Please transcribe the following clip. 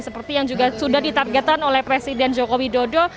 seperti yang juga sudah ditargetkan oleh presiden joko widodo